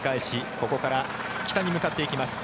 ここから北に向かっていきます。